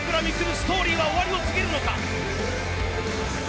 ストーリーが終わりを告げるのか。